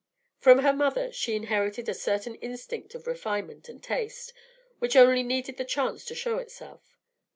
From her mother she inherited a certain instinct of refinement and taste which only needed the chance to show itself.